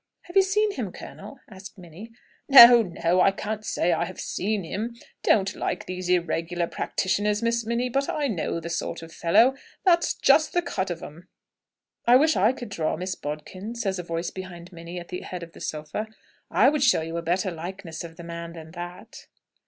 "Have you seen him, colonel?" asks Minnie. "No no; I can't say I have seen him. Don't like these irregular practitioners, Miss Minnie. But I know the sort of fellow. That's just the cut of 'em!" "I wish I could draw, Miss Bodkin," says a voice behind Minnie at the head of the sofa; "I would show you a better likeness of the man than that!"